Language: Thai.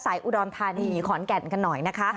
สายอูดอลธานิขอนแก่นกันหน่อยนะคะ